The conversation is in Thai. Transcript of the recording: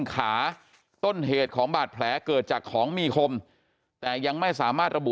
ขาต้นเหตุของบาดแผลเกิดจากของมีคมแต่ยังไม่สามารถระบุ